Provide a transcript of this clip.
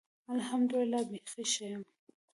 الحمدالله. بیخي ښۀ یم.